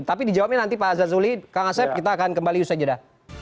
tapi dijawabnya nanti pak azad juli kak ngasep kita akan kembali usai jeda